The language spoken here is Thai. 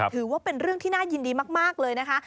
ถือว่าเป็นเรื่องที่น่ายินดีมากเลยนะคะ